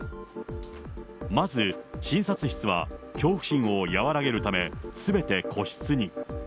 まず、診察室は恐怖心を和らげるため、すべて個室に。